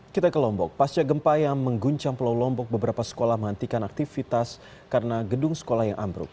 kita ke lombok pasca gempa yang mengguncang pulau lombok beberapa sekolah menghentikan aktivitas karena gedung sekolah yang ambruk